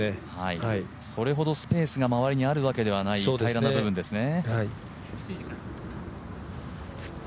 それほどスペースが周りにあるわけではない、平らな部分ですね。